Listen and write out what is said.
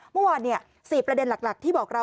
เมื่อวาน๔ประเด็นหลักที่บอกเรา